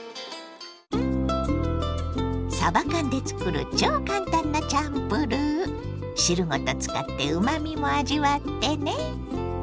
さば缶で作る超簡単なチャンプルー。汁ごと使ってうまみも味わってね。